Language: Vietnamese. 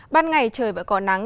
ban ngày trời vẫn có nắng